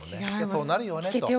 そうなるよねと。